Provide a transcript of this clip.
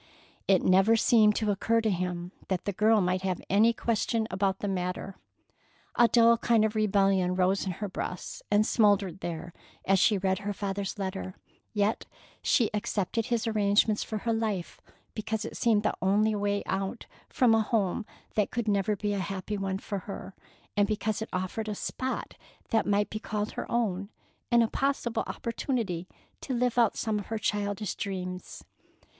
It never seemed to occur to him that the girl might have any question about the matter. A dull kind of rebellion rose in her breast and smouldered there as she read her father's letter; yet she accepted his arrangements for her life, because it seemed the only way out from a home that could never be a happy one for her; and because it offered a spot that might be called her own, and a possible opportunity to live out some of her childish dreams.